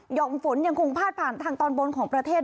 ่อมฝนยังคงพาดผ่านทางตอนบนของประเทศ